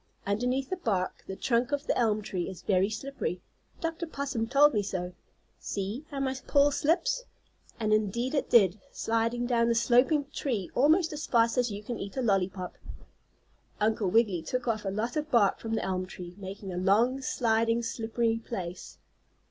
"Underneath the bark the trunk of the elm tree is very slippery. Dr. Possum told me so. See how my paw slips!" And indeed it did, sliding down the sloping tree almost as fast as you can eat a lollypop. Uncle Wiggily took off a lot of bark from the elm tree, making a long, sliding, slippery place.